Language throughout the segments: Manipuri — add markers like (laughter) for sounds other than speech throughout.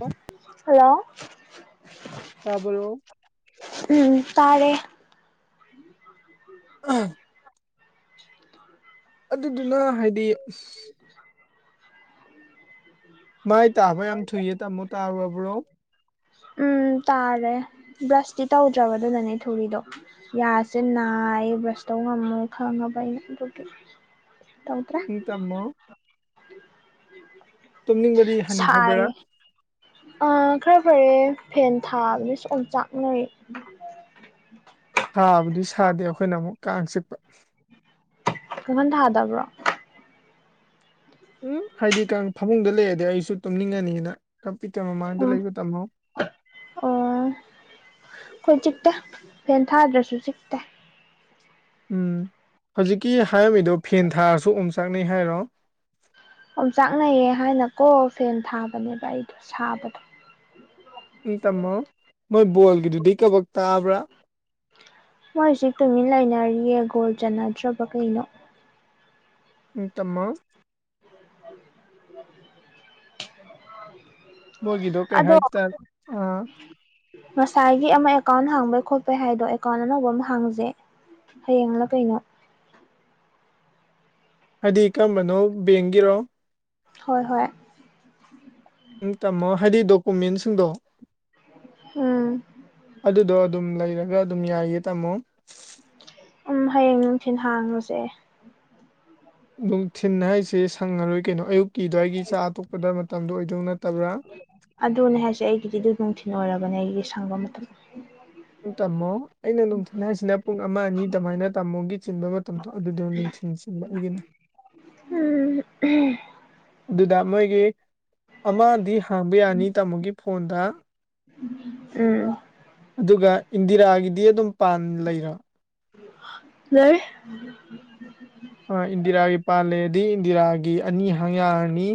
ꯑꯣ ꯍꯂꯣ ꯇꯥꯕꯔꯣ ꯎꯝ ꯇꯥꯔꯦ ꯎꯝ ꯑꯗꯨꯗꯨꯅ ꯍꯥꯏꯗꯤ ꯃꯥꯏ ꯇꯥꯕ ꯌꯥꯝ ꯊꯨꯏꯌꯦ ꯇꯥꯃꯣ ꯇꯥꯔꯨꯔꯕ꯭ꯔꯣ ꯎꯝ ꯇꯥꯔꯦ ꯕ꯭ꯔꯁꯇꯤ ꯇꯧꯗ꯭ꯔꯕꯗꯨꯅꯅꯦ ꯊꯨꯔꯤꯗꯣ ꯌꯥꯁꯦ ꯅꯥꯏꯌꯦ ꯕ꯭ꯔꯁꯇꯧ ꯉꯝꯃꯣꯏ ꯈꯪꯉꯕ ꯑꯩꯅ ꯑꯗꯨꯒꯤ ꯇꯧꯗ꯭ꯔꯦ ꯎꯝ ꯇꯥꯃꯣ ꯇꯨꯝꯅꯤꯡꯕꯗꯤ ꯍꯟꯈ꯭ꯔꯕ꯭ꯔꯥ ꯑ ꯈꯔ ꯐꯔꯦ ꯐꯦꯟ ꯊꯥꯕꯅꯤꯁ ꯑꯣꯝꯆꯥꯛꯅꯩ ꯁꯥꯕꯗꯤ ꯁꯥꯗꯦ ꯑꯩꯈꯣꯏꯅ ꯑꯃꯨꯛ ꯀꯥꯡ ꯆꯤꯛꯄ ꯀꯥꯡꯈꯟ ꯊꯥꯗꯕ꯭ꯔꯣ ꯎꯝ ꯍꯥꯏꯗꯤ ꯀꯥꯡ ꯐꯃꯨꯡꯗ ꯂꯩꯔꯗꯤ ꯑꯩꯁꯨ ꯇꯨꯝꯅꯤꯡꯉꯅꯤꯅ ꯀꯝꯄ꯭ꯌꯨꯇꯔ ꯃꯃꯥꯡꯗ ꯎꯝ ꯂꯩꯕ ꯇꯝꯃꯣ ꯑꯣ ꯈꯣꯏ ꯆꯤꯛꯇꯦ ꯐꯦꯟ ꯊꯥꯗ꯭ꯔꯁꯨ ꯆꯤꯛꯇꯦ ꯎꯝ ꯍꯧꯖꯤꯛꯀꯤ ꯍꯥꯏꯔꯝꯃꯤꯗꯣ ꯐꯦꯟ ꯊꯥꯔꯁꯨ ꯑꯣꯝꯆꯥꯛꯅꯩ ꯍꯥꯏꯔꯣ ꯑꯣꯝꯆꯥꯛꯅꯩꯌꯦ ꯍꯥꯏꯅꯀꯣ ꯐꯦꯟ ꯊꯥꯕꯅꯦꯕ ꯑꯩꯗꯣ ꯁꯥꯕꯗꯣ ꯎꯪ ꯇꯝꯃꯣ ꯃꯣꯏ ꯕꯣꯜꯒꯤꯗꯨꯗꯤ ꯀꯕꯛ ꯇꯥꯕ꯭ꯔꯥ ꯃꯣꯏ ꯍꯧꯖꯤꯛ ꯇꯨꯃꯤꯟ ꯂꯩꯅꯔꯤꯌꯦ ꯒꯣꯜ ꯆꯟꯅꯗ꯭ꯔꯕ ꯀꯩꯅꯣ ꯎꯇꯃ (inaudible) ꯃꯣꯏꯒꯤꯗꯣ ꯀꯩ ꯑꯗꯣ ꯍꯥꯏꯇꯥꯔꯦ ꯑꯥ ꯉꯁꯥꯏꯒꯤ ꯑꯃ ꯑꯦꯀꯥꯎꯟ ꯍꯥꯡꯕꯩ ꯈꯣꯠꯄꯩ ꯍꯥꯏꯗꯣ ꯑꯦꯀꯥꯎꯟ ꯑꯅꯧꯕ ꯑꯃ ꯍꯥꯡꯉꯨꯖꯦ ꯍꯌꯦꯡꯂ ꯀꯩꯅꯣ ꯍꯥꯏꯗꯤ ꯀꯔꯝꯕꯅꯣ ꯕꯦꯡꯒꯤꯔꯣ ꯍꯣꯏ ꯍꯣꯏ ꯎ ꯇꯥꯝꯃꯣ ꯍꯥꯏꯗꯤ ꯗꯣꯀꯨꯃꯦꯟꯁꯤꯡꯗꯣ ꯎꯝ ꯑꯗꯨꯗꯣ ꯑꯗꯨꯝ ꯂꯩꯔꯒ ꯑꯗꯨꯝ ꯌꯥꯏꯌꯦ ꯇꯥꯃꯣ ꯎꯝ ꯍꯌꯦꯡ ꯅꯨꯡꯊꯤꯤꯟ ꯍꯥꯡꯉꯨꯁꯦ ꯅꯨꯡꯊꯤꯟ ꯍꯥꯏꯁꯦ ꯁꯪꯉꯔꯣꯏ ꯀꯩꯅꯣ ꯑꯌꯨꯛꯀꯤ ꯑꯗꯨ꯭ꯋꯥꯏꯒꯤ ꯆꯥ ꯑꯇꯣꯄꯗ ꯃꯇꯝꯗꯣ ꯑꯣꯏꯗꯧ ꯅꯠꯇꯕ꯭ꯔꯥ ꯑꯗꯨꯅꯦ ꯍꯥꯏꯁꯦ ꯑꯩꯒꯤꯗꯤ ꯑꯗꯨ ꯅꯨꯡꯊꯤꯟ ꯑꯣꯏꯔꯕꯅꯦ ꯑꯩꯒꯤꯗꯤ ꯁꯪꯕ ꯃꯇꯝꯗ ꯇꯥꯃꯣ ꯑꯩꯅ ꯅꯨꯡꯊꯤꯜ ꯍꯥꯏꯁꯤꯅ ꯄꯨꯡ ꯑꯃ ꯑꯅꯤ ꯑꯗꯨꯃꯥꯏꯅ ꯇꯥꯃꯣꯒꯤ ꯆꯤꯟꯕ ꯃꯇꯝꯗꯣ ꯑꯗꯨꯗꯣ ꯅꯨꯡꯊꯤꯟ ꯆꯤꯟꯕ ꯑꯩꯒꯤꯅꯦ ꯎꯝ ꯑꯗꯨꯗ ꯃꯣꯏꯒꯤ ꯑꯃꯗꯤ ꯍꯥꯡꯕ ꯌꯥꯅꯤ ꯇꯥꯃꯣꯒꯤ ꯐꯣꯟꯗ ꯎꯝ ꯑꯗꯨꯒ ꯏꯟꯗꯤꯔꯥꯒꯤꯗꯤ ꯑꯗꯨꯝ ꯄꯥꯟ ꯂꯩꯔ ꯂꯔ ꯑ ꯏꯟꯗꯤꯔꯥꯒꯤ ꯄꯥꯜꯂꯦꯗꯤ ꯏꯟꯗꯤꯔꯥꯒꯤ ꯑꯅꯤ ꯍꯪ ꯌꯥꯔꯅꯤ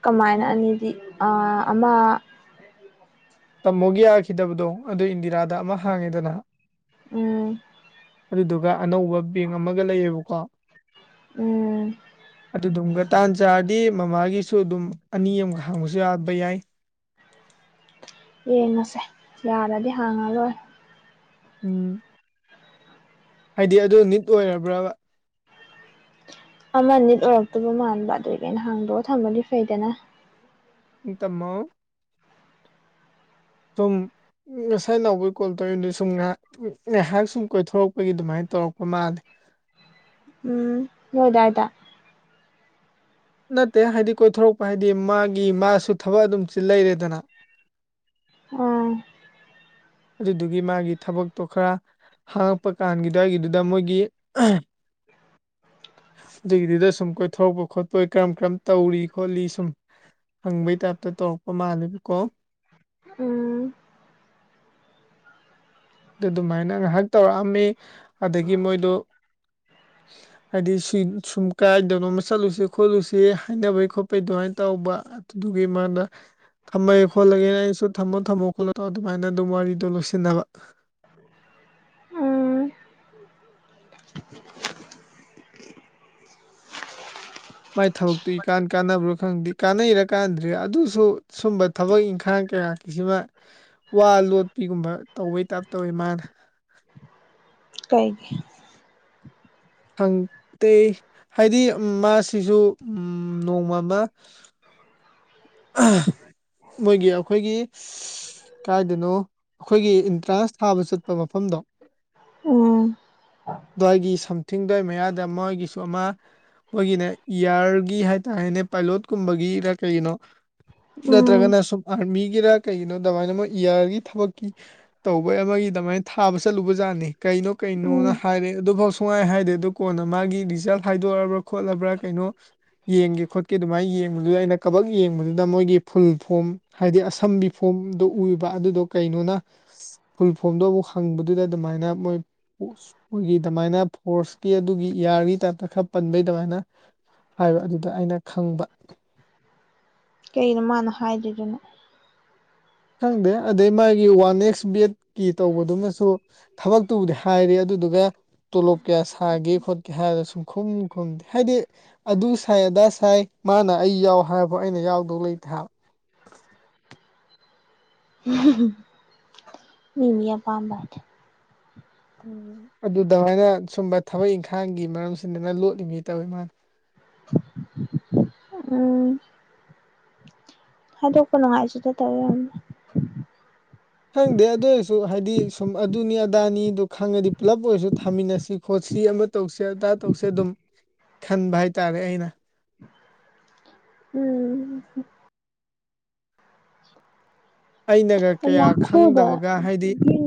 ꯀꯃꯥꯏꯅ ꯑꯅꯤꯗꯤ ꯑꯃ ꯇꯝꯃꯧꯒꯤ ꯌꯥꯈꯤꯗꯕꯗꯣ ꯑꯗꯨ ꯏꯟꯗꯤꯔꯥꯗ ꯑꯃ ꯍꯥꯡꯉꯦꯗꯅꯍ ꯎꯝ ꯑꯗꯨꯗꯨꯒ ꯑꯅꯧꯕ ꯕꯦꯡ ꯑꯃꯒ ꯂꯩꯌꯦꯕꯀꯣ ꯎꯝ ꯑ ꯝꯒꯇꯥꯟ ꯆ ꯑ ꯃꯃꯥꯒꯤꯁꯨ ꯑꯗꯨꯝ ꯑꯅꯤ ꯑꯃꯈꯛ ꯍꯥꯡꯕꯁꯨ ꯌꯥꯕ ꯌꯥꯏ ꯌꯦꯡꯉꯁꯦ ꯌꯥꯔꯗꯤ ꯍꯥꯡꯉꯔꯣꯏ ꯎꯝ ꯍꯥꯏꯗꯤ ꯑꯗꯨ ꯅꯤꯠ ꯑꯣꯏꯔꯕ꯭ꯔꯕ ꯑꯃ ꯅꯤꯠ ꯑꯣꯏꯔꯛꯇꯕ ꯃꯥꯟꯕ ꯑꯗꯨꯏꯗꯩꯅ ꯍꯥꯡꯗꯣꯛꯑ ꯊꯃꯗꯤ ꯐꯩꯗꯅ ꯏ ꯇꯃ ꯇꯨꯝ ꯉꯁꯥꯏ ꯅꯥꯎꯕꯒꯤ ꯀꯣꯜ ꯇꯧꯔꯤꯗꯨ ꯁꯨꯝ ꯉꯥꯏꯍꯥꯛ ꯉꯥꯏꯍꯥꯛ ꯁꯨꯝ ꯀꯣꯏꯊꯣꯔꯛꯄꯒꯤ ꯑꯗꯨꯃꯥꯏꯅ ꯇꯧꯔꯛꯄ ꯃꯥꯜꯂꯤꯦ ꯎꯝ ꯍꯣꯏꯗ ꯍꯥꯏꯗ ꯅꯠꯇꯦ ꯍꯥꯏꯗꯤ ꯀꯣꯏꯊꯣꯔꯛꯄ ꯍꯥꯏꯗꯤ ꯃꯥꯒꯤ ꯃꯥꯁꯨ ꯊꯕꯛ ꯑꯗꯨꯝ ꯂꯩꯔꯦꯗꯅ ꯑꯥ ꯑꯗꯨꯗꯨꯒꯤ ꯃꯥꯒꯤ ꯊꯕꯛꯇꯣ ꯈꯔ ꯍꯥꯡꯉꯛꯄ ꯀꯥꯟꯒꯤꯗꯥꯒꯤꯗꯨꯗ ꯃꯣꯏꯒꯤ ꯑꯗꯨꯒꯤꯗꯨꯗ ꯁꯨꯝ ꯀꯣꯏꯊꯣꯔꯛꯄ ꯈꯣꯠꯄ ꯀꯔꯝ ꯀꯔꯝ ꯇꯧꯔꯤ ꯈꯣꯠꯂꯤ ꯁꯨꯝ ꯍꯪꯕꯩ ꯇꯥꯏꯞꯇ ꯇꯧꯔꯛꯄ ꯃꯥꯜꯂꯦꯕꯀꯣ ꯎꯝ ꯑꯗꯨꯃꯥꯏꯅ ꯉꯥꯏꯍꯥꯛ ꯇꯧꯔꯛꯑꯝꯃꯤ ꯑꯗꯨꯗꯒꯤ ꯃꯣꯏꯗꯨ (inaudible) ꯍꯥꯏꯗꯤ ꯁꯨꯝ ꯀꯥꯏꯗꯅꯣꯃ ꯆꯠꯂꯨꯁꯤ ꯈꯣꯠꯂꯨꯁꯤ ꯍꯥꯏꯅꯕꯩ ꯈꯣꯠꯄꯩ ꯑꯗꯨꯃꯥꯏꯅ ꯇꯧꯕ ꯑꯗꯨꯒꯤ ꯃꯥꯅ ꯊꯝꯃꯒꯦ ꯈꯣꯠꯂꯒꯦꯅ ꯑꯩꯩꯅꯁꯨ ꯊꯝꯃꯣ ꯊꯝꯃꯣ ꯈꯣꯠꯂꯣ ꯇꯧꯣ ꯑꯗꯨꯃꯥꯏꯅ ꯑꯗꯨꯝ ꯋꯥꯔꯤꯗꯣ ꯂꯣꯏꯁꯤꯟꯅꯕ (inaudible) ꯎꯝ ꯃꯥꯏ ꯊꯕꯛꯇꯨ ꯏꯀꯥꯟ ꯀꯥꯟꯅꯕ꯭ꯔꯥ ꯈꯪꯗꯦ ꯀꯥꯟꯅꯩꯔ ꯀꯥꯟꯗ꯭ꯔꯦ ꯑꯗꯨꯁꯨꯌꯒꯌꯒ ꯍꯨ ꯁꯨꯝꯕ ꯊꯕꯛ ꯏꯪꯈꯥꯡ ꯀꯌꯥꯒꯤꯁꯤꯃ ꯋꯥ ꯂꯣꯠꯄꯤꯒꯨꯝꯕ ꯇꯧꯕꯩ ꯇꯥꯏꯞ ꯇꯧꯋꯦ ꯃꯥꯅ ꯀꯩꯒꯤ ꯈꯪ ꯇꯦ ꯍꯥꯏꯗꯤ ꯃꯥꯁꯤꯖꯨ ꯅꯣꯡꯃꯃ ꯃꯣꯏꯒꯤ ꯑꯈꯣꯏꯒꯤ ꯀꯥꯏꯗꯅꯣ ꯑꯩꯈꯣꯏꯒꯤ ꯑꯦꯟꯇ꯭ꯔꯥꯟꯁ ꯊꯥꯕ ꯆꯠꯄ ꯃꯐꯝꯗꯣ ꯎꯝ ꯑꯗꯨꯋꯥꯏꯒꯤ ꯁꯝꯊꯤꯡꯗ꯭ꯋꯥꯏ ꯃꯌꯥꯗ ꯃꯣꯏꯒꯤꯁꯨ ꯑꯃ ꯃꯈꯣꯏꯒꯤꯅꯦ ꯏꯌꯥꯔꯒꯤ ꯍꯥꯏꯇꯥꯔꯦꯅꯦ ꯄꯥꯏꯂꯣꯠꯀꯨꯝꯕꯒꯤꯅ ꯀꯩꯅꯣ ꯎꯝ ꯅꯠꯇ꯭ꯔꯒꯅ ꯁꯨꯝ ꯑꯥꯔꯃꯤꯒꯤꯔ ꯀꯩꯒꯤꯅꯣ ꯑꯗꯨꯃꯥꯏꯅ ꯑꯃ ꯏꯌꯥꯥꯔꯒꯤ ꯊꯕꯛꯀꯤ ꯇꯧꯕ ꯑꯃꯒꯤ ꯑꯗꯨꯃꯥꯏꯅ ꯊꯥꯕ ꯆꯠꯂꯨꯕꯖꯥꯠꯅꯤ ꯀꯩꯅꯣ ꯀꯩꯅꯣꯅ ꯎꯝ ꯍꯥꯏꯔꯦ ꯑꯗꯨꯐꯥꯎ ꯁꯨꯡꯉꯥꯏ ꯍꯥꯏꯗꯦ ꯑꯗꯨ ꯀꯣꯟꯅ ꯃꯥꯒꯤ ꯔꯤꯖꯜꯠ ꯍꯥꯏꯗꯣꯔꯑꯕ ꯈꯣꯠꯂꯕ꯭ꯔꯥ ꯀꯩꯅꯣ ꯌꯦꯡꯒꯦ ꯈꯣꯠꯀꯦ ꯑꯗꯨꯃꯥꯏꯅ ꯌꯦꯡꯕꯗꯨꯗ ꯑꯩꯅ ꯀꯕꯛ ꯌꯦꯡ ꯗꯨꯗ ꯃꯣꯏꯒꯤ ꯐꯨꯜ ꯐꯣꯝ ꯍꯥꯏꯕꯗꯤ ꯑꯁꯝꯕꯤ ꯐꯣꯝꯗꯣ ꯎꯕ ꯑꯗꯨꯗꯣ ꯀꯩꯅꯣꯅ ꯐꯨꯜ ꯐꯣꯝꯗꯣ ꯑꯃꯨꯛ ꯍꯪꯕꯗꯨꯗ ꯑꯗꯨꯃꯥꯏꯅ ꯃꯣꯏ ꯃꯈꯣꯏꯒꯤ ꯑꯗꯨꯃꯥꯏꯅ ꯐꯣꯔꯁꯀꯤ ꯑꯗꯨꯒꯤ ꯏꯌꯥꯔꯒꯤ ꯇꯥꯏꯞꯇ ꯈꯔ ꯄꯟꯕꯩ ꯑꯗꯨꯃꯥꯏꯅ ꯍꯥꯏꯕ ꯑꯗꯨꯗ ꯑꯩꯅ ꯈꯪꯕ ꯀꯩꯅꯣ ꯃꯥꯅ ꯍꯥꯏꯗ꯭ꯔꯤꯗꯨꯅꯣ ꯈꯪꯗꯦ ꯑꯗꯩ ꯃꯥꯒꯤ ꯋꯥꯟ ꯑꯦꯛꯁ ꯕꯦꯠꯀꯤ ꯇꯧꯕꯗꯨꯃꯁꯨ ꯊꯕꯛꯇꯨꯕꯨꯗꯤ ꯍꯥꯏꯔꯦ ꯑꯗꯨꯗꯨꯒ ꯇꯣꯂꯣꯞ ꯀꯌꯥ ꯁꯥꯒꯦ ꯈꯣꯠꯀꯦ ꯍꯥꯏꯔꯒ ꯁꯨꯝ ꯈꯨꯝ ꯈꯨꯝꯗꯦ ꯍꯥꯏꯗꯤ ꯑꯗꯨ ꯁꯥꯏ ꯑꯗꯥ ꯁꯥꯏ ꯃꯥꯅ ꯑꯩ ꯌꯥꯎ ꯍꯥꯏꯕ ꯑꯩꯅ ꯌꯥꯎꯗꯧ ꯂꯩꯇꯦ ꯍꯥꯏꯕ ꯃꯤꯃꯤ ꯑꯥꯄꯝꯕꯅꯦ ꯎꯝ ꯑꯗꯨ ꯑꯗꯨꯃꯥꯏꯅ ꯁꯨꯝꯕ ꯊꯕꯛ ꯏꯪꯈꯥꯡꯒꯤ ꯃꯔꯝꯁꯤꯗꯅ ꯂꯣꯠꯂꯤꯕꯤ ꯇꯧꯋꯤ ꯃꯥꯜꯅꯦ ꯎꯝ ꯍꯥꯢꯗꯣꯛꯄ ꯅꯨꯡꯉꯥꯏꯇꯦꯗ ꯇꯧ ꯑꯣꯢꯔꯝꯅꯤ ꯈꯪꯗꯦ ꯑꯗꯨ ꯑꯣꯏꯔꯁꯨ ꯍꯥꯏꯗꯤ ꯁꯨꯝ ꯑꯗꯨꯅꯤ ꯑꯗꯥꯅꯤꯗ ꯈꯪꯉꯗꯤ ꯄꯨꯂꯞ ꯑꯣꯏꯔꯁꯨ ꯊꯥꯃꯤꯟꯅꯁꯤ ꯈꯣꯠꯁꯤ ꯑꯃ ꯇꯧꯁꯦ ꯑꯗꯥ ꯇꯧꯁꯦ ꯑꯗꯨꯝ ꯈꯟꯕ ꯍꯥꯏꯇꯥꯔꯦ ꯑꯩꯅ ꯎꯝ ꯑꯩꯅ ꯑꯥꯌꯥ ꯈꯨ ꯎ ꯗ ꯒ꯭ꯔꯤꯟ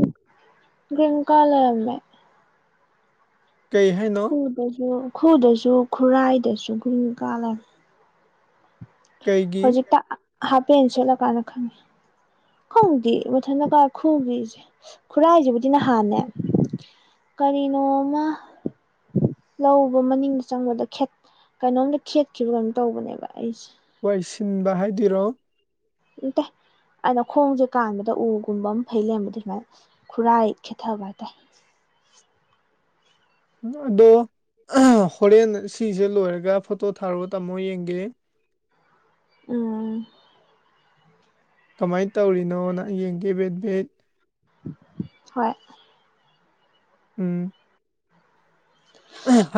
ꯒ꯭ꯔꯤꯟ ꯀꯥ ꯂꯩꯔꯝꯃꯤ ꯀꯩ ꯍꯥꯏꯅꯣ ꯈꯨꯗꯁꯨ ꯈꯨꯗꯁꯨ ꯈꯨꯔꯥꯏꯗꯁꯨ ꯒ꯭ꯔꯤꯟ ꯀꯥ ꯂꯩꯔꯝꯃꯦ ꯀꯩꯒꯤ ꯍꯧꯖꯤꯛꯇ ꯍꯥꯞꯄꯦꯟ ꯁꯦꯠꯂ ꯀꯥꯟꯗ ꯈꯪꯉꯤ ꯈꯣꯡꯗꯤ ꯃꯊꯟꯗꯀꯣ ꯈꯨꯎꯒꯤꯁꯦ ꯈꯨꯔꯥꯏꯁꯤꯕꯨꯗꯤ ꯅꯍꯥꯟꯅꯦ ꯀꯔꯤꯅꯣꯃ ꯂꯧꯕ ꯃꯅꯤꯡꯗ ꯆꯪꯕꯗ ꯀꯩꯅꯣꯝꯇ ꯈꯦꯠꯈꯤꯕ ꯀꯩꯅꯣꯝ ꯇꯧꯕꯅꯦꯕ ꯑꯩꯁꯦ ꯋꯥꯏꯁꯤꯟꯕ ꯍꯥꯏꯗꯣꯏꯔꯣ ꯎꯠꯇꯦ ꯑꯗ ꯈꯣꯡꯁꯦ ꯀꯥꯟꯕꯗ ꯎꯒꯨꯝꯕ ꯑꯃ ꯐꯩ ꯂꯩꯔꯝꯕꯗ ꯁꯨꯃꯥꯏꯅ ꯈꯨꯔꯥꯏ ꯈꯦ ꯊꯕ ꯍꯥꯢꯇ ꯑꯗꯣ ꯍꯣꯔꯦꯟ ꯁꯤꯁꯦ ꯂꯣꯏꯔꯒ ꯐꯣꯇꯣ ꯊꯥꯔꯣ ꯇꯥꯃꯣ ꯌꯦꯡꯒꯦ ꯎꯝ ꯀꯃꯥꯏꯅ ꯇꯧꯔꯤꯅꯣ ꯅꯪ ꯌꯦꯡꯒꯦ ꯕꯦꯠ ꯕꯦꯠ ꯍꯣꯏ ꯎꯝ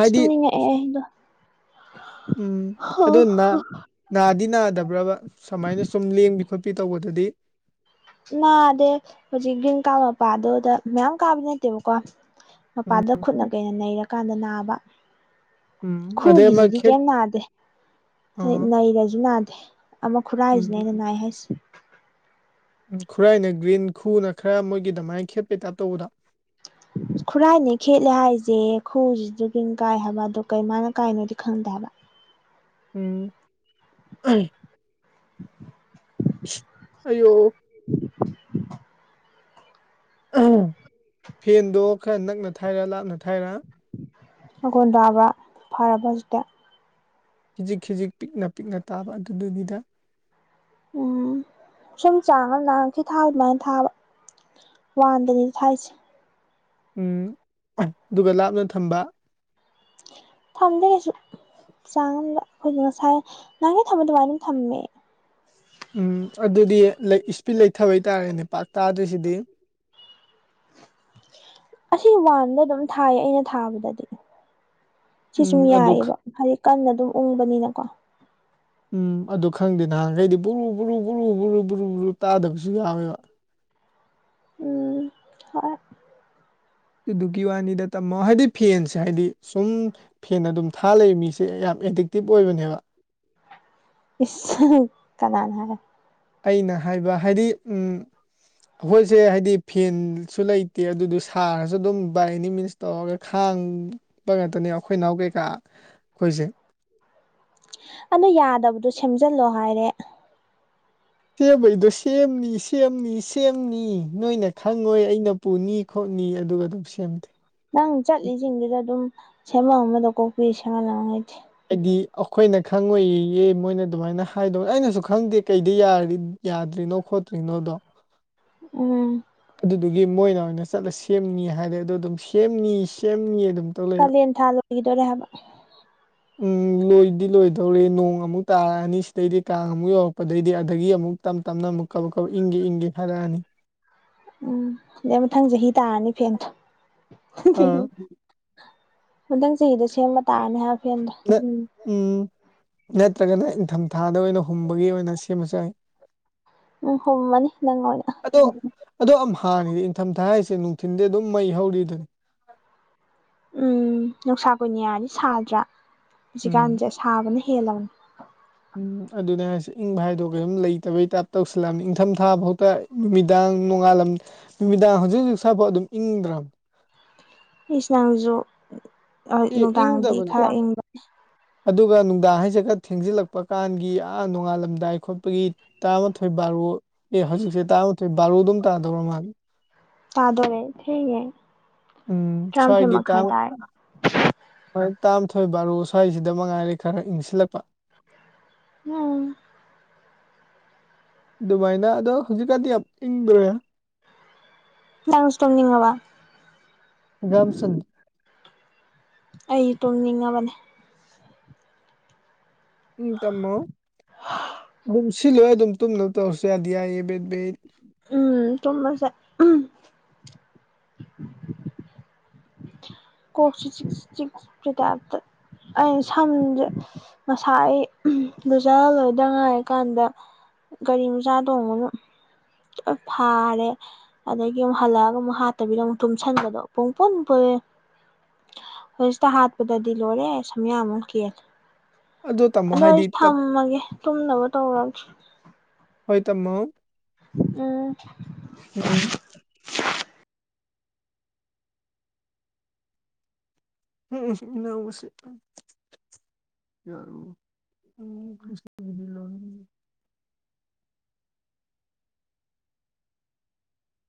ꯑꯁ ꯇꯝꯅꯤꯡꯉꯛꯑꯦ ꯑꯩꯗꯣ ꯎꯝ ꯑꯣꯅꯥ ꯅꯥꯗꯤ ꯅꯥꯗꯕ꯭ꯔꯕ ꯁꯨꯃꯥꯏꯅ ꯁꯨꯝ ꯂꯦꯡꯕꯤ ꯈꯣꯠꯄꯤ ꯇꯧꯕꯗꯗꯤ ꯅꯥꯗꯦ ꯍꯧꯖꯤꯛ ꯒ꯭ꯔꯤꯟ ꯀꯥꯔ ꯃꯄꯥꯗꯨꯗ ꯃꯌꯥꯝ ꯀꯥꯕ ꯅꯠꯇꯦꯕꯀꯣ ꯎꯝ ꯃꯄꯥꯥꯟꯗ ꯈꯨꯠꯅ ꯀꯩꯅ ꯅꯩꯔꯀꯥꯟꯗ ꯅꯥꯕ ꯎꯝ ꯑꯗꯩ ꯑꯃ ꯈꯨꯒꯤꯁꯤꯗꯤ ꯈꯦꯠ ꯀꯩꯝ ꯅꯥꯗꯦ ꯑ ꯎꯝ ꯅꯩꯔꯁꯨ ꯅꯥꯗꯦ ꯑꯃ ꯈꯨꯔꯥꯏꯁꯤꯅꯦ ꯑꯩꯅ ꯎꯝ ꯅꯥꯏ ꯍꯥꯏꯁꯦ ꯎ ꯈꯨꯔꯥꯏꯅ ꯒ꯭ꯔꯤꯟ ꯈꯨꯅ ꯈꯔ ꯃꯣꯏꯒꯤ ꯑꯗꯨꯃꯥꯏꯅ ꯈꯦꯠꯄꯩ ꯇꯥꯏꯞ ꯇꯧꯕꯗ ꯈꯨꯔꯥꯏꯅꯦ ꯈꯦꯠꯂꯦ ꯍꯥꯏꯁꯦ ꯈꯨꯔꯁꯤꯗꯨꯒꯤ ꯀꯥꯏ ꯍꯥꯏꯕ ꯑꯗꯣ ꯀꯩꯃꯥꯏꯅ ꯀꯥꯏꯅꯣꯗꯤ ꯈꯪꯗꯦ ꯍꯥꯏꯕꯥ ꯎꯝ (unintelligible) ꯑꯌꯣ (inaudible) ꯐꯦꯟꯗꯣ ꯈꯔ ꯅꯛꯅ ꯊꯥꯏꯔ ꯂꯥꯞꯅ ꯊꯥꯏꯔ ꯃꯈꯣꯟ ꯇꯥꯕ ꯐꯔꯕ ꯍꯧꯖꯤꯛꯇꯤ ꯈꯖꯤꯛ ꯈꯖꯤꯛ ꯄꯤꯛꯅ ꯄꯤꯛꯅ ꯇꯥꯕ ꯑꯗꯨꯗꯨꯒꯤꯗ ꯎꯝ ꯁꯨꯝ ꯆꯥꯡ ꯑꯃ ꯉꯥꯍꯥꯟꯈꯩ ꯊꯥꯕ ꯑꯗꯨꯃꯥꯏꯅ ꯊꯥꯕ ꯋꯥꯟꯗꯅꯤ ꯊꯥꯏꯁꯦ ꯎꯝ ꯑꯗꯨꯒ ꯂꯥꯞꯅ ꯊꯝꯕ ꯊꯝꯗꯦ ꯀꯩꯁꯨ ꯆꯥꯡ ꯑꯃꯗ ꯑꯩꯈꯣꯏꯗ ꯉꯁꯥꯏ ꯅꯍꯥꯟꯒꯩ ꯊꯝꯕ ꯑꯗꯨꯃꯥꯏꯅ ꯑꯗꯨꯝ ꯊꯝꯃꯦ ꯎꯝ ꯑꯗꯨꯗꯤ ꯏꯁꯄꯤꯠ ꯂꯩꯊꯕ ꯇꯥꯔꯦꯅꯦ ꯄꯥꯛ ꯇꯥꯗ꯭ꯔꯤꯁꯤꯗꯤ (inaudible) ꯑꯁꯤ ꯋꯥꯟꯗ ꯑꯗꯨꯝ ꯊꯥꯏꯌꯦ ꯑꯩꯅ ꯊꯥꯕꯗꯗꯤ ꯁꯤ ꯎꯝ ꯁꯨꯝ ꯑꯗꯨ ꯌꯥꯏꯑꯦꯕ ꯍꯥꯏꯗꯤ ꯀꯟꯅ ꯑꯗꯨꯝ ꯎꯪꯕꯅꯤꯅꯀꯣ ꯎꯝ ꯑꯗꯨ ꯈꯪꯗꯦ ꯅꯍꯥꯟꯈꯩꯗꯤ ꯕꯨꯔꯨ ꯕꯨꯔꯨ ꯕꯨꯔꯨ ꯕꯨꯔꯨ ꯕꯨꯨꯔꯨ ꯇꯥꯗꯕꯁꯨ ꯌꯥꯎꯋꯦꯕ ꯎꯝ ꯍꯣꯏ ꯑꯗꯨꯗꯨꯒꯤ ꯋꯥꯅꯤꯗ ꯇꯝꯃꯣ ꯍꯥꯏꯗꯤ ꯐꯦꯟꯁꯦ ꯍꯥꯏꯗꯤ ꯁꯨꯝ ꯐꯦꯟ ꯑꯗꯨꯝ ꯊꯥ ꯂꯩ ꯃꯤꯁꯦ ꯌꯥꯝ ꯑꯦꯗꯤꯛꯇꯤꯞ ꯑꯣꯏꯕꯅꯦꯕ (unintelligible) ꯀꯅꯥꯅ ꯍꯥꯏꯕ ꯑꯩꯅ ꯍꯥꯏꯕ ꯍꯥꯏꯗꯤ ꯎꯝ ꯑꯩꯈꯣꯏꯁꯦ ꯍꯥꯏꯗꯤ ꯐꯦꯟꯁꯨ ꯂꯩꯇꯦ ꯑꯗꯨꯗ ꯁꯥꯔꯁꯨ ꯑꯗꯨꯝ ꯕꯥꯏ ꯑꯦꯅꯤ ꯃꯤꯟꯁ ꯇꯧꯔꯒ ꯈꯥꯡꯕ ꯉꯥꯛꯇꯅꯦ ꯑꯩꯈꯣꯏ ꯏꯅꯥꯎ ꯀꯩꯀꯥ ꯑꯩꯈꯣꯏꯁꯦ ꯑꯗꯨ ꯌꯥꯗꯕꯗꯣ ꯁꯦꯝꯖꯤꯜꯂꯣ ꯍꯥꯏꯔꯦ ꯁꯦꯝꯕꯩꯗꯣ ꯁꯦꯝꯅꯤ ꯁꯦꯝꯅꯤ ꯁꯦꯝꯅꯤ ꯅꯣꯏꯅ ꯈꯪꯉꯣꯏ ꯑꯩꯅ ꯄꯨꯅꯤ ꯈꯣꯠꯅꯤ ꯑꯗꯨꯒ ꯑꯗꯨꯝ ꯁꯦꯝꯗꯦ ꯅꯪ ꯆꯠꯂꯤꯁꯤꯡꯗꯨꯗ ꯑꯗꯨꯝ ꯁꯦꯝꯐꯝ ꯑꯃꯗ ꯀꯣꯛꯄꯤ ꯁꯦꯝꯍꯜꯂꯛꯀꯦ ꯂꯩꯇꯦ ꯍꯥꯏꯗꯤ ꯑꯩꯈꯣꯏꯅ ꯈꯪꯉꯣꯏꯌꯦ ꯃꯣꯏꯅ ꯑꯗꯨꯃꯥꯏꯅ ꯍꯥꯏꯗꯧꯅꯦ ꯑꯩꯅꯁꯨ ꯈꯪꯗꯦ ꯀꯩꯗ ꯌꯥ ꯌꯥꯗ꯭ꯔꯤꯅꯣ ꯈꯣꯠꯇ꯭ꯔꯤꯅꯣꯗꯣ ꯎꯝ ꯑꯗꯨꯗꯨꯒꯤ ꯃꯣꯏꯅ ꯑꯣꯏꯅ ꯆꯠꯂ ꯁꯦꯝꯅꯤ ꯍꯥꯏꯔꯦ ꯑꯗꯣ ꯑꯗꯨꯝ ꯁꯦꯝꯅꯤ ꯁꯦꯝꯅꯤ ꯑꯗꯨꯝ ꯇꯧ ꯂꯩꯕ ꯀꯥꯂꯦꯟ ꯊꯥ ꯂꯣꯏꯈꯤꯗꯣꯔꯦ ꯍꯥꯏꯕ ꯎꯝ ꯂꯣꯏꯗꯤ ꯂꯣꯏꯗꯧꯔꯦ ꯅꯣꯡ ꯑꯃꯨꯛ ꯇꯥꯔꯛꯑꯅꯤ ꯁꯤꯗꯩꯗꯤ ꯀꯥꯡ ꯑꯃꯨꯛ ꯌꯧꯔꯛꯄꯗꯩꯗꯤ ꯑꯗꯒꯤ ꯑꯃꯨꯛ ꯇꯞ ꯇꯞꯅ ꯑꯃꯨꯛ ꯀꯧ ꯀꯧ ꯏꯪꯒꯦ ꯏꯪꯒꯦ ꯈꯔꯛꯑꯅꯤ ꯎꯝ ꯑꯗꯨ ꯃꯊꯪ ꯆꯍꯤ ꯇꯥꯔꯅꯤ ꯐꯦꯟꯗꯣ ꯑꯥ ꯃꯊꯪ ꯆꯍꯤꯗ ꯁꯦꯝꯕ ꯇꯥꯔꯅꯤ ꯍꯥꯏꯕ ꯐꯦꯟꯗꯣ (unintelligible) ꯎꯝ ꯅꯠꯇ꯭ꯔꯒꯅ ꯏꯪꯊꯝꯊꯥꯗ ꯑꯣꯏꯅ ꯍꯨꯝꯕꯒꯤ ꯑꯣꯏꯅ ꯁꯦꯝꯃꯁꯨ ꯌꯥꯏ ꯎꯝ ꯍꯨꯝꯃꯥꯅꯤ ꯅꯪꯅꯥ ꯑꯣꯏꯅ ꯑꯗꯣ ꯑꯗꯣ ꯑꯃꯍꯥꯅꯤꯅꯦ ꯏꯪꯊꯝꯊꯥ ꯍꯥꯏꯁꯦ ꯅꯨꯡꯊꯤꯟꯗꯤ ꯑꯗꯨꯝ ꯃꯩ ꯍꯧꯔꯤꯗꯨꯅꯤ ꯎꯝ ꯅꯨꯡꯁꯥ ꯀꯨꯏꯅꯤ ꯌꯥꯗꯤ ꯁꯥꯗ꯭ꯔꯥ ꯎꯝ ꯍꯧꯖꯤꯛꯀꯥꯟꯁꯦ ꯁꯥꯕꯅ ꯍꯦꯜꯂꯕꯅꯦ ꯎꯝ ꯑꯗꯨꯅꯦ ꯍꯥꯏꯁꯦ ꯏꯪꯕꯍꯥꯏꯗꯣ ꯀꯩꯝ ꯂꯩꯇꯕꯩ ꯇꯥꯏꯞ ꯇꯧꯁꯤꯜꯂꯛꯑꯕꯅꯤ ꯏꯪꯊꯝ ꯊꯥ ꯐꯥꯎꯗ ꯅꯨꯃꯤꯗꯥꯡ ꯅꯣꯡꯉꯥꯜꯂꯝ ꯅꯨꯃꯤꯗꯥꯡ ꯍꯧꯖꯤꯛ ꯍꯧꯖꯤꯛ ꯁꯥꯄꯠ ꯑꯗꯨꯝ ꯏꯪꯗ꯭ꯔꯕ ꯏꯁ ꯅꯪꯁꯨ ꯑꯦ ꯅꯨꯡꯗꯥꯡꯗꯤ ꯏꯪꯗꯕꯅꯤ ꯈꯔ ꯏꯪꯕ ꯑꯗꯨꯒ ꯅꯨꯡꯗꯥꯡ ꯍꯥꯏꯁꯦ ꯈꯔ ꯊꯦꯡꯖꯤꯜꯂꯛꯄ ꯀꯥꯟꯒꯤ ꯑꯥ ꯅꯣꯡꯉꯥꯜꯂꯝꯗꯥꯏ ꯈꯣꯠꯄꯒꯤ ꯇꯔꯥꯃꯥꯊꯣꯏ ꯕꯥꯔꯣ ꯑꯦ ꯍꯧꯖꯤꯛꯁꯦ ꯇꯔꯥꯃꯥꯊꯣꯏ ꯕꯥꯔꯣꯗꯨꯝ ꯇꯥꯗꯧꯔ ꯃꯥꯜꯂꯦ ꯇꯥꯗꯣꯔꯦ ꯊꯦꯡꯉꯦ ꯎꯝ ꯇꯔꯥꯃꯥꯊꯣꯏ ꯁ꯭ꯋꯥꯏꯒꯤ ꯃꯈꯥꯏ ꯇꯥꯎ ꯇꯥꯔꯦ ꯍꯣꯏ ꯇꯥꯝꯊꯣꯏ ꯕꯥꯔꯣ ꯁ꯭ꯋꯥꯏꯁꯤꯗ ꯃꯉꯥꯏꯔꯦ ꯈꯔ ꯏꯪꯁꯤꯜꯂꯛꯄ ꯎꯝ ꯑꯗꯨꯃꯥꯏꯅ ꯑꯗꯣ ꯍꯧꯖꯤꯛꯀꯥꯟꯗꯤ ꯌꯥꯝ ꯏꯪꯗ꯭ꯔꯦ ꯅꯪꯁꯨ ꯇꯨꯝꯅꯤꯡꯉꯕ ꯒꯝꯆꯟ ꯑꯩ ꯇꯨꯝꯅꯤꯡꯉꯕꯅꯦ ꯎꯝ ꯇꯝꯃꯣ ꯑꯗꯨꯝ ꯁꯤꯂꯣꯏ ꯑꯗꯨꯝ ꯇꯨꯝꯅꯕ ꯇꯧꯔꯁꯨ ꯌꯥꯗꯤ ꯌꯥꯏꯌꯦ ꯕꯦꯕꯤ ꯎꯝ ꯇꯨꯝꯃꯁꯦ ꯀꯣꯛꯁꯦ ꯆꯤꯛ ꯆꯤꯛꯄꯩ ꯇꯥꯏꯞꯇ ꯑꯩ ꯁꯝꯖꯦ ꯉꯁꯥꯏ ꯑꯩ ꯂꯨꯖ ꯂꯣꯏꯗ ꯉꯥꯏ ꯀꯥꯟꯗ ꯒꯥꯔꯤ ꯃꯆꯥ ꯇꯣꯡꯕꯒ ꯂꯣꯏ ꯐꯥꯔꯦ ꯑꯗꯒꯤ ꯑꯃꯨꯛ ꯍꯜꯂꯛꯑꯒ ꯑꯃꯨꯛ ꯍꯥꯠꯇꯕꯤꯗ ꯑꯃꯨꯛ ꯇꯨꯝꯁꯟꯕꯗꯣ ꯄꯨꯡ ꯄꯨꯟ ꯄꯨꯟꯂꯦ ꯍꯧꯖꯤꯇ ꯍꯥꯠꯄꯗꯗꯤ ꯂꯣꯏꯔꯦ ꯁꯝꯌꯥꯝꯃ ꯀꯦꯂꯦ ꯇꯝꯃꯣ ꯑꯗꯣ ꯑꯩ ꯍꯥꯏꯗꯤ ꯇꯞ ꯊꯝꯃꯒꯦ ꯇꯨꯝꯅꯕ ꯇꯧꯔꯒꯦ ꯍꯣꯏ ꯇꯝꯃꯣ ꯎꯝ ꯎꯝ (unintelligible) (unintelligible)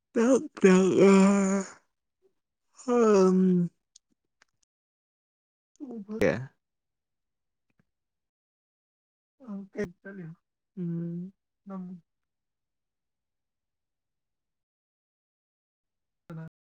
(unintelligible) (unintelligible) (unintelligible) ꯑ (unintelligible)